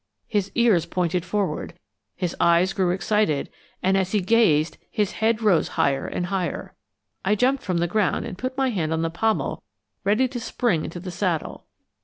His ears pointed forward, his eyes grew excited, and as he gazed his head rose higher and higher. I jumped from the ground and put my hand on the pommel ready to spring into the saddle.